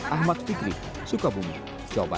ahmad fikri sukabumi coba